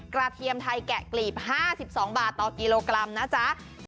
เทียมไทยแกะกลีบ๕๒บาทต่อกิโลกรัมนะจ๊ะ